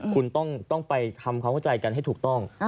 คุณต้องไปทำความเข้าใจกันให้ถูกต้อง